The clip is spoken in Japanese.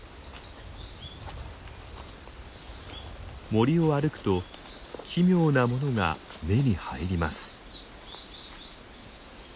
森を歩くと奇妙なものが目に入ります。